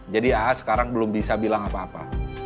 jadi aa sekarang belum bisa bilang apa apa